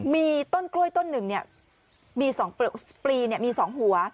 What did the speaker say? มีต้นกล้วยต้นหนึ่งเนี่ยมีสองปลีเนี่ยมีสองหัว